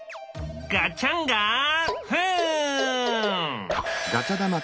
ガチャンガフン！